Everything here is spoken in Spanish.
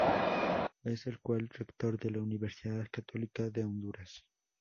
Es el actual rector de la Universidad Católica de Honduras.